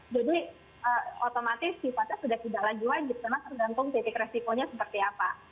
jadi otomatis sifatnya sudah tidak lagi wajib karena tergantung titik resikonya seperti apa